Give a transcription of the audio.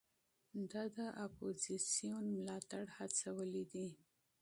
ده د اپوزېسیون ملاتړ هڅولی دی.